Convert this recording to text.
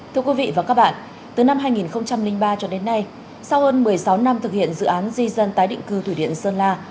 thưa quý vị và các bạn từ năm hai nghìn ba cho đến nay sau hơn một mươi sáu năm thực hiện dự án di dân tái định cư thủy điện sơn la